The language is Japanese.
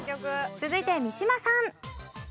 続いて三島さん。